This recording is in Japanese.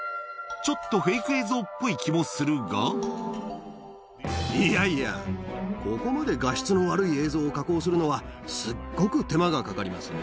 ちょっとフェイク映像っぽい気もいやいや、ここまで画質の悪い映像を加工するのは、すっごく手間がかかります。